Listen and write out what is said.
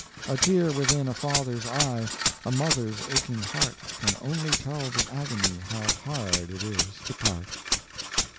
A tear within a father's eye, A mother's aching heart, Can only tell the agony How hard it is to part.